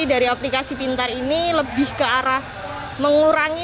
dari aplikasi pintar ini lebih ke arah mengurangi